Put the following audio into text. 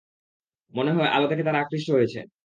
মনে হয়, আলো দেখে তারা আকৃষ্ট হয়েছে!